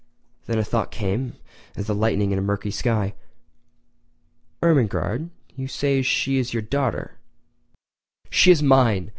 Then a thought came as the lightning in a murky sky. "Ermengarde—you say she is your daughter.... She is mine!